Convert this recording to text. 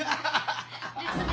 ですね。